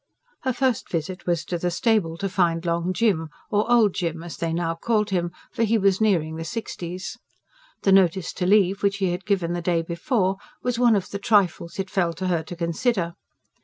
Her first visit was to the stable to find Long Jim or Old Jim as they now called him; for he was nearing the sixties. The notice to leave, which he had given the day before, was one of the "trifles" it fell to her to consider.